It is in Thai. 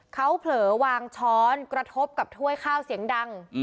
เขาเผลอวางช้อนกระทบกับถ้วยข้าวเสียงดัง